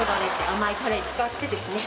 甘いタレ使ってですね